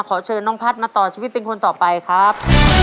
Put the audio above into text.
ขอเชิญน้องพัฒน์มาต่อชีวิตเป็นคนต่อไปครับ